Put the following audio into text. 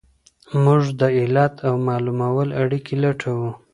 موږ د علت او معلول اړیکي لټوو.